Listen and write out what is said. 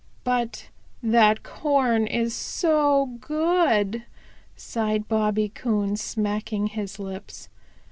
"But that corn is so good," sighed Bobby Coon, smacking his lips.